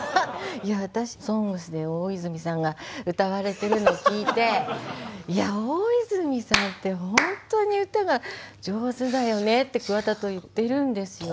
いや私「ＳＯＮＧＳ」で大泉さんが歌われてるのを聴いていや大泉さんって本当に歌が上手だよねって桑田と言ってるんですよ。